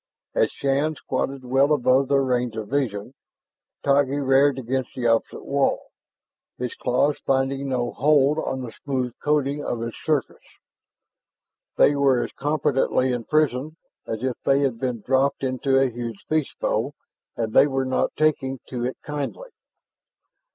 As Shann squatted well above their range of vision, Taggi reared against the opposite wall, his claws finding no hold on the smooth coating of its surface. They were as competently imprisoned as if they had been dropped into a huge fishbowl, and they were not taking to it kindly.